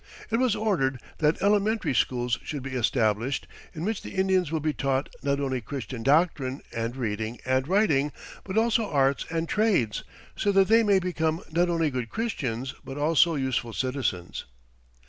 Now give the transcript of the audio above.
It was ordered that "elementary schools should be established, in which the Indians will be taught not only Christian doctrine and reading and writing but also arts and trades, so that they may become not only good Christians but also useful citizens."